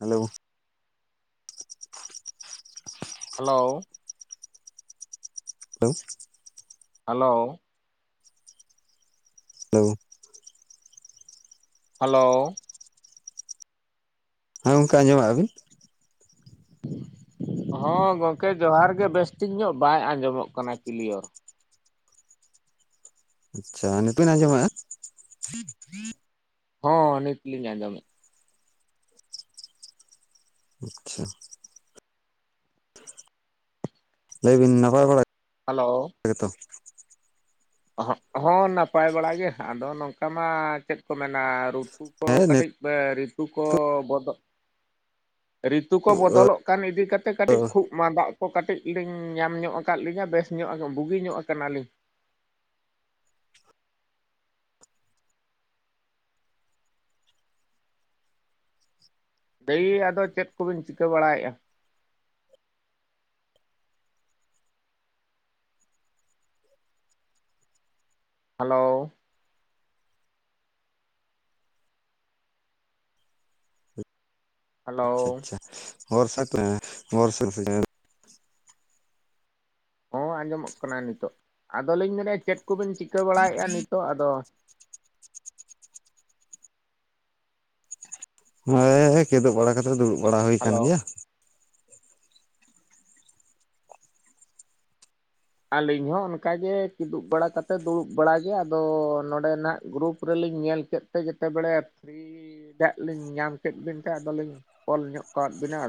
Hello hello hello hello ᱞᱟᱹᱣᱩ hello ᱦᱮᱸ ᱜᱚᱝᱠᱮ ᱟᱸᱡᱚᱢᱮᱜ-ᱟ ᱵᱤᱱ? ᱦᱚᱸ ᱜᱚᱝᱠᱮ ᱡᱚᱦᱟᱨ ᱜᱮ ᱵᱮᱥ ᱴᱷᱤᱠ ᱧᱚᱜ ᱵᱟᱭ ᱟᱸᱡᱚᱢᱚᱜ ᱠᱟᱱᱟ ᱠᱞᱤᱭᱚᱨ ᱟᱪᱪᱷᱟ ᱱᱤᱛᱵᱤᱱ ᱟᱸᱡᱚᱢᱮᱜ-ᱟ? ᱦᱚᱸ ᱱᱤᱛᱞᱤᱧ ᱟᱸᱡᱚᱢᱮᱫ ᱟᱪᱪᱷᱟ ᱞᱟᱹᱭᱵᱤᱱ ᱱᱟᱯᱟᱭ ᱵᱟᱲᱟ? ᱦᱟᱞᱳ ᱦᱮ ᱛᱚ ᱚᱦᱚᱜ ᱦᱚᱸ ᱱᱟᱯᱟᱭ ᱵᱟᱲᱟ ᱜᱮ ᱟᱫᱚ ᱱᱚᱝᱠᱟ ᱢᱟ ᱪᱮᱫ ᱠᱚ ᱢᱮᱱᱟ ᱨᱩᱛᱩ ᱠᱚ ᱦᱮᱸ ᱠᱟᱹᱴᱤᱡ ᱱᱤᱛᱚᱜ ᱯᱮ ᱨᱤᱛᱩ ᱠᱚ ᱵᱚᱫᱚ, ᱨᱤᱛᱩ ᱠᱚ ᱵᱚᱫᱚᱞᱚᱜ ᱠᱟᱱ ᱤᱫᱤ ᱠᱟᱛᱮ ᱠᱟᱹᱴᱤᱡ ᱠᱷᱩᱜ ᱢᱟ ᱫᱟᱜ ᱠᱚ ᱠᱟᱹᱴᱤᱡ ᱞᱤᱧ ᱧᱟᱢ ᱧᱚᱜ ᱠᱟᱫ ᱞᱤᱧᱟᱹ ᱵᱮᱥ ᱧᱚᱜ ᱵᱩᱜᱤ ᱧᱚᱜ ᱠᱟᱱᱟᱞᱤᱧ ᱫᱮᱹᱭ ᱟᱫᱚ ᱪᱮᱫ ᱠᱚᱵᱤᱱ ᱪᱤᱠᱟᱹ ᱵᱟᱲᱟᱭᱮᱜ-ᱟ? ᱦᱟᱞᱳ ᱦᱮᱞᱳ ᱟᱪᱪᱷᱟ ᱟᱪᱪᱷᱟ ᱦᱚᱸ ᱟᱸᱡᱚᱢᱚᱜ ᱠᱟᱱᱟ ᱱᱤᱛᱚᱜ ᱟᱫᱚᱞᱤᱧ ᱢᱮᱱᱮᱫᱼᱟ ᱪᱮᱫ ᱠᱚᱵᱮᱱ ᱪᱤᱠᱟᱹ ᱵᱟᱲᱟᱭᱮᱫᱼᱟ ᱱᱤᱛᱚᱜ ᱟᱫᱚ? ᱦᱮᱸ ᱠᱮᱫᱚᱜ ᱵᱟᱲᱟ ᱠᱟᱛᱮᱫ ᱫᱩᱲᱩᱵ ᱵᱟᱲᱟ ᱦᱩᱭ ᱦᱮᱞᱳ ᱟᱠᱟᱱ ᱜᱮᱭᱟ᱾ ᱟᱹᱞᱤᱧ ᱦᱚᱸ ᱚᱱᱠᱟᱜ ᱜᱮ ᱠᱤᱫᱩᱵ ᱵᱟᱲᱟ ᱠᱟᱛᱮ ᱫᱩᱲᱩᱵ ᱵᱟᱲᱟᱜ ᱜᱮ ᱟᱫᱚ ᱱᱚᱰᱮ ᱱᱟᱜ ᱜᱨᱩᱯ ᱨᱮᱞᱤᱧ ᱧᱮᱞ ᱠᱮᱫᱼᱼ ᱛᱮ ᱡᱮᱛᱮ ᱵᱮᱲᱮ ᱯᱷᱨᱤ ᱦᱟᱜ ᱞᱤᱧ ᱧᱟᱢ ᱠᱮᱫ ᱵᱤᱱᱛᱮ ᱟᱫᱚᱞᱤᱧ ᱠᱚᱞ ᱧᱚᱜ ᱟᱠᱟᱫ ᱵᱤᱱᱟᱫᱚ᱾